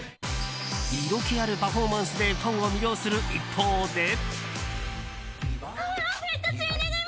色気あるパフォーマンスでファンを魅了する一方で。